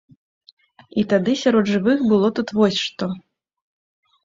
І тады сярод жывых было тут вось што.